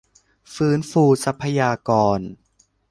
ฟื้นฟูทรัพยากร